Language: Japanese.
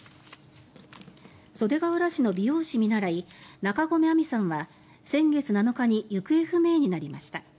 袖ケ浦市の美容師見習い中込愛美さんは先月７日に行方不明になりました。